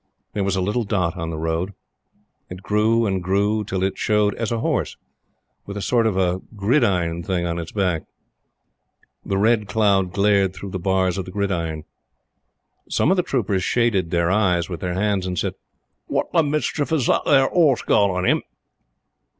There was a little dot on the road. It grew and grew till it showed as a horse, with a sort of gridiron thing on his back. The red cloud glared through the bars of the gridiron. Some of the troopers shaded their eyes with their hands and said: "What the mischief as that there 'orse got on 'im!"